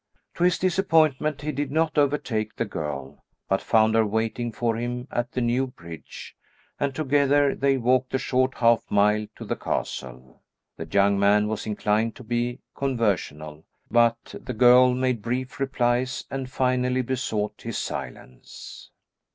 To his disappointment, he did not overtake the girl, but found her waiting for him at the new bridge, and together they walked the short half mile to the castle. The young man was inclined to be conversational, but the girl made brief replies and finally besought his silence.